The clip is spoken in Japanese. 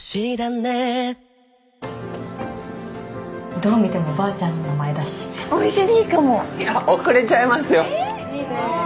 どう見てもばあちゃんの名前だしお店にいいかも遅れちゃいますよいいね